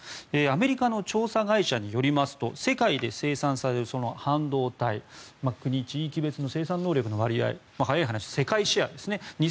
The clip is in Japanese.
アメリカの調査会社によりますと世界で生産される半導体国・地域別の生産能力の割合早い話、世界シェアですね。